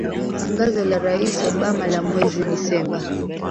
Tangazo la rais Obama la mwezi Disemba